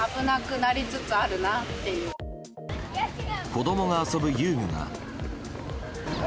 子供が遊ぶ遊具が。